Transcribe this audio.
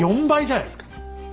４倍じゃないですか！